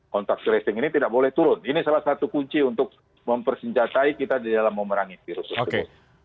kontak tracing ini tidak boleh turun ini salah satu kunci untuk mempersenjatai kita di dalam memerangi virus tersebut